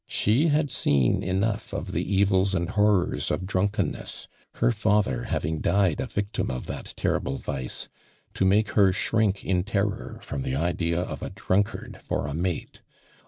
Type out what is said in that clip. She had seen fnough of the evils and horrors of drunken ness (her father having died a victim of that terrible vice) to make her shrink in terror from the idea of a <lrunkard for a mate.